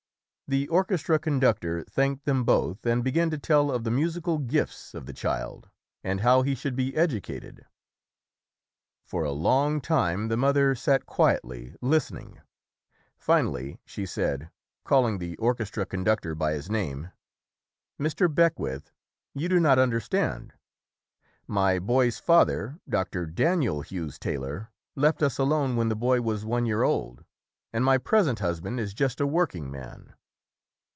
The orchestra conductor thanked them both, and began to tell of the musi cal gifts of the child and how he should be edu cated. For a long time the mother sat quietly listen ing. Finally she said, calling the orchestra con ductor by his name, "Mr. Beckwith, you do not understand. My boy's father, Dr. Daniel Hughes Taylor, left us alone when the boy was one year old, and my present husband is just a working man".